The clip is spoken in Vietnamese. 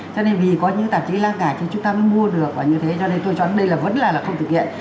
cho nên vì có những tạp chí lá cải cho chúng ta mới mua được và như thế cho nên tôi chọn đây là vẫn là là không thực hiện